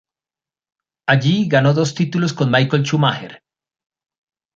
Allí ganó dos títulos con Michael Schumacher.